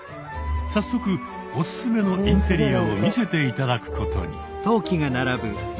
早速おすすめのインテリアを見せて頂くことに。